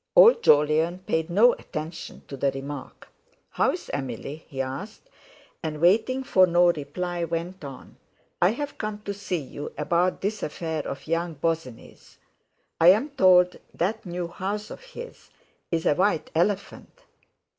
Old Jolyon paid no attention to the remark. "How's Emily?" he asked; and waiting for no reply, went on "I've come to see you about this affair of young Bosinney's. I'm told that new house of his is a white elephant."